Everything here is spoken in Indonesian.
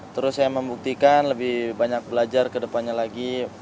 terus saya membuktikan lebih banyak belajar ke depannya lagi